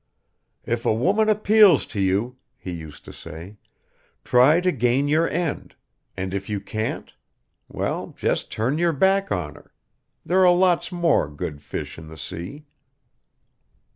"If a woman appeals to you," he used to say, "try to gain your end; and if you can't well, just turn your back on her there are lots more good fish in the sea."